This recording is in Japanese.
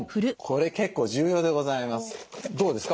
これ結構重要でございます。